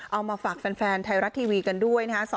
เอามาฝากแฟนไทยรัฐทีวีกันด้วยนะฮะ